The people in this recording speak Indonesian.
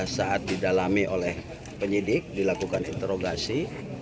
saat didalami oleh penyidik dilakukan interogasi